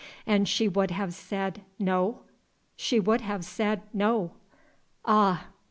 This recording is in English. "And she would have said, No?" "She would have said, No." "Ah!"